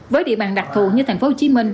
với địa bàn đặc thù như tp hcm